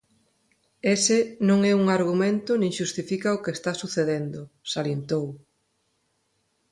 Ese "non é un argumento, nin xustifica o que está sucedendo", salientou.